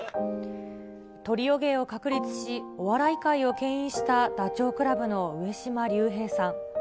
トリオ芸を確立し、お笑い界をけん引したダチョウ倶楽部の上島竜兵さん。